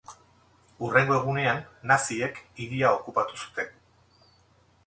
Hurrengo egunean naziek hiria okupatu zuten.